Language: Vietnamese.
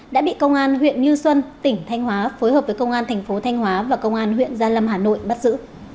đã bị công an huyện như xuân tỉnh thanh hóa phối hợp với công an thành phố thanh hóa và công an huyện gia lâm hà nội bắt giữ